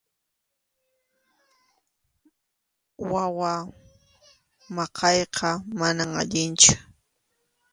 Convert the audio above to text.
Wawa maqayqa manam allinchu.